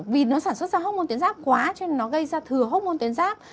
vì nó sản xuất ra hóc môn tuyến ráp quá cho nên nó gây ra thừa hốc môn tuyến giáp